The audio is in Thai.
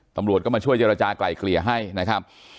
ตำรวจก็มาช่วยเจรจากลายเกลี่ยให้นะครับ